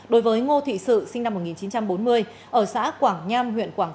đối với ngô thị sự sinh năm một nghìn chín trăm bốn mươi ở xã quảng nham huyện quảng